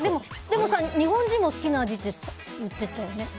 でも日本人も好きな味って言ってたよね。